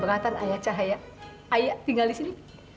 ayah tinggal disini